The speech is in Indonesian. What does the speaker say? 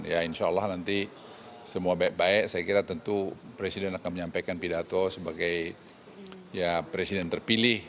ya insya allah nanti semua baik baik saya kira tentu presiden akan menyampaikan pidato sebagai ya presiden terpilih